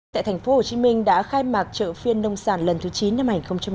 tại thành phố hồ chí minh đã khai mạc chợ phiên nông sản lần thứ chín năm hai nghìn một mươi chín